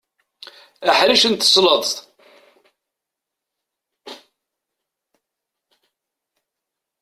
Aḥric n tesleḍt.